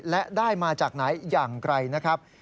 และได้มาจากไหนอย่างไรนะครับ